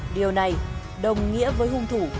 điều này đồng nghĩa với hung thủ